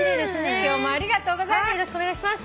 今日もありがとうございます。